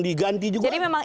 diganti juga jadi memang